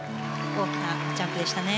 大きなジャンプでしたね。